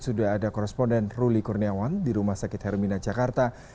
sudah ada koresponden ruli kurniawan di rumah sakit hermina jakarta